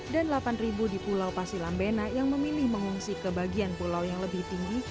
dan delapan di pulau pasilambena yang memilih mengungsi ke bagian pulau yang lebih tinggi